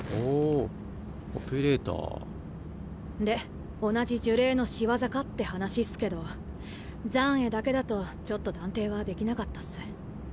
で同じ呪霊の仕業かって話っすけど残穢だけだとちょっと断定はできなかったっす。